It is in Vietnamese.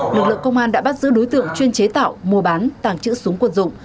lực lượng công an đã bắt giữ đối tượng chuyên chế tạo mua bán tàng trữ súng quân dụng